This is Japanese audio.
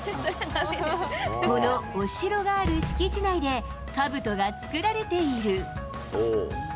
このお城がある敷地内で、かぶとが作られている。